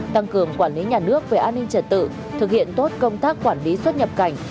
tăng cường quản lý nhà nước về an ninh trật tự thực hiện tốt công tác quản lý xuất nhập cảnh